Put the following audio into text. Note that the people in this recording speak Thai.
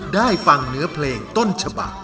ได้ฟังเนื้อเพลงต้นฉบัก